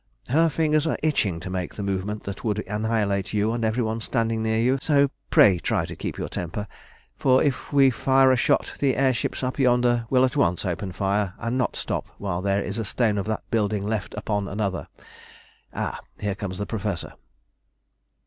Her fingers are itching to make the movement that would annihilate you and every one standing near you, so pray try keep your temper; for if we fire a shot the air ships up yonder will at once open fire, and not stop while there is a stone of that building left upon another. Ah! here comes the Professor."